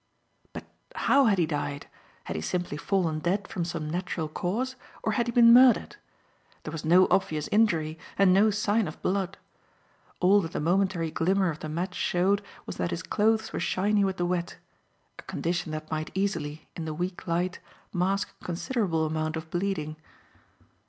But how had he died? Had he simply fallen dead from some natural cause, or had he been murdered? There was no obvious injury, and no sign of blood. All that the momentary glimmer of the match showed was that his clothes were shiny with the wet; a condition that might easily, in the weak light, mask a considerable amount of bleeding.